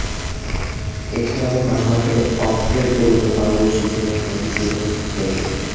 এছাড়াও, ডানহাতে off break বোলিংয়ে পারদর্শী ছিলেন মধুসূদন রেগে।